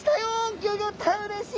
ギョギョッとうれしい！